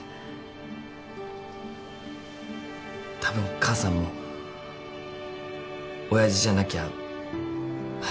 たぶん母さんも親父じゃなきゃ駄目で。